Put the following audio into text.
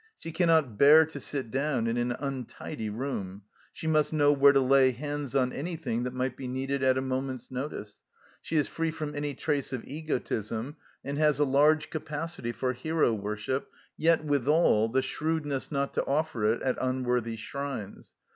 She cannot bear to sit down in an untidy room ; she must know where to lay hands on anything that might be needed at a moment's notice ; she is free from any trace of egotism, and has a large capacity for hero worship, yet, withal, the shrewdness not to offer it at unworthy shrines.